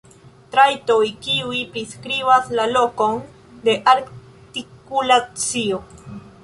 Trajtoj kiuj priskribas la lokon de artikulacio.